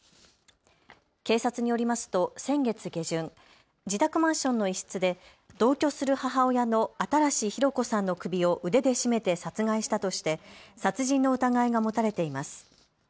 警察によりますと先月下旬、自宅マンションの一室で同居する母親の新博子さんの首を腕で絞めて殺害したとして殺人の疑いが持たれています。